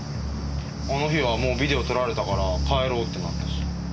あの日はもうビデオ取られたから帰ろうってなったし。